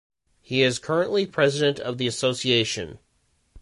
He is currently president of the association.